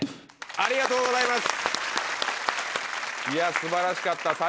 おめでとうございます。